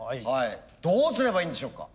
どうすればいいんでしょうか。